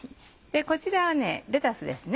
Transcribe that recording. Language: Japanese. こちらはレタスです